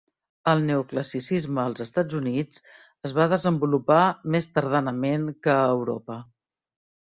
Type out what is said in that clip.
El neoclassicisme als Estats Units es va desenvolupar més tardanament que a Europa.